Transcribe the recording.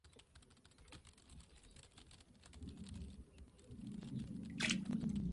Mayoritariamente es comercializado en Estados Unidos, aunque usuarios europeos los compran por catálogo.